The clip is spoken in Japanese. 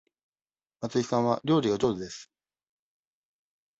松井さんは料理が上手です。